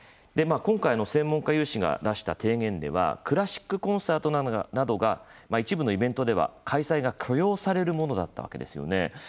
今回の専門化有志が出した提言ではクラシックコンサートなど一部のイベントでは開催が許容されるものだったわけですよね。